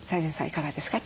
いかがですか？